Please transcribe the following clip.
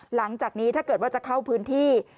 หลังจากนี้ถ้าเกิดว่าจะเข้าพื้นที่